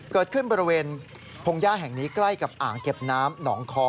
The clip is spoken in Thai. เกิดขึ้นบริเวณพงหญ้าแห่งนี้ใกล้กับอ่างเก็บน้ำหนองคอ